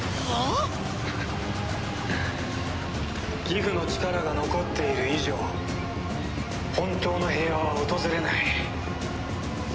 ギフの力が残っている以上本当の平和は訪れない。